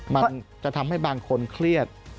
มันจะทำให้บางคนเครียด